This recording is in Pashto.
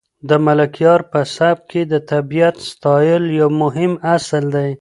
د ملکیار په سبک کې د طبیعت ستایل یو مهم اصل دی.